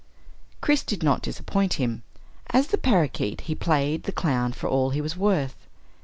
Chris did not disappoint him. As the parakeet, he played the clown for all he was worth.